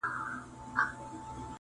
په مدار مدار یې غاړه تاووله -